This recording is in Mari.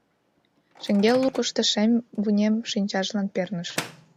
Шеҥгел лукышто шем вынем шинчажлан перныш.